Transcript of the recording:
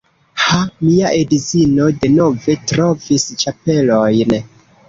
Ha, mia edzino denove trovis ĉapelojn